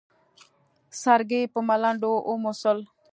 سرګي په ملنډو وموسل.